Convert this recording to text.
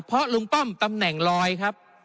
เพราะลุงป้อมตำแหน่งลอยครับ